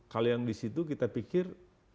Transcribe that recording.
kalau yang disitu kita pikir